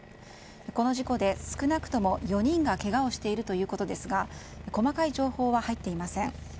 この事故で少なくとも４人がけがをしているということですが細かい状況は入っていません。